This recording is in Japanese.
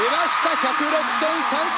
１０６．３３！